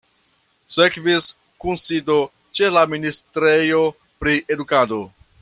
Sekvis kunsido ĉe la ministrejo pri edukado.